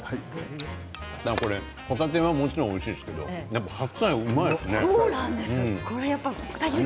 ほたては、もちろんおいしいですけど白菜もうまいですね。